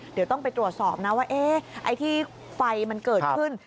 เดี๋ยวต้องไปตรวจสอบนะว่าไอ้ที่ไฟมันเกิดขึ้น